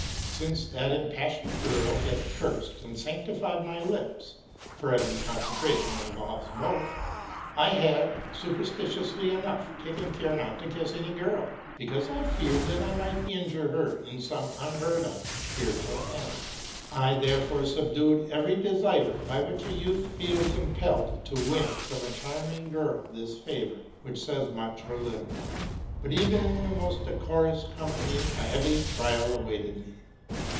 Since that impassioned girl had cursed and sanctified my lips (for every consecration involves both), I had, superstitiously enough, taken care not to kiss any girl, because I feared that I might injure her in some unheard of spiritual manner. I therefore subdued every desire by which a youth feels impelled to win from a charming girl this favor, which says' much or little. But even in the most decorous company a heavy trial awaited me.